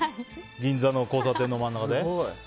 銀座の交差点の真ん中で。